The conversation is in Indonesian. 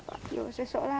kalau ada yang berani ya sudah